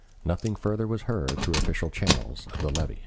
Nothing further was heard through official channels of the levy.